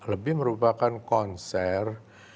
lebih merupakan konser